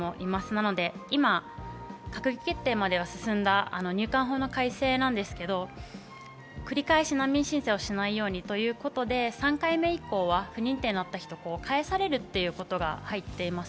なので、今、閣議決定までは進んだ入管法の改正なんですけど、繰り返し難民申請をしないようにということで３回目以降は不認定になった人が返されるということが入っています。